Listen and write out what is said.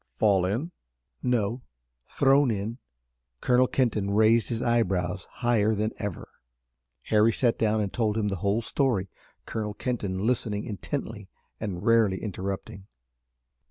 "Fall in?" "No, thrown in." Colonel Kenton raised his eyebrows higher than ever. Harry sat down and told him the whole story, Colonel Kenton listening intently and rarely interrupting.